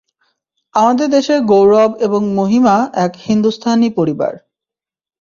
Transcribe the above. আমাদের দেশের গৌরব এবং মহিমা এক হিন্দুস্থানি পরিবার।